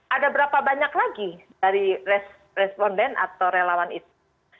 ada berapa banyak lagi dari responden atau relawan itu